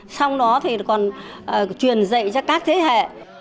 xong đó thì còn truyền dạy cho các thế hệ